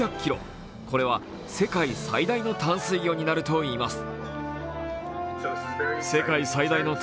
これは世界最大の淡水魚になるといいます。